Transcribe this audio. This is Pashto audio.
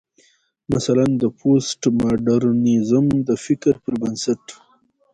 مثلا: د پوسټ ماډرنيزم د فکر پر بنسټ